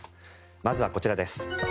まずはこちらです。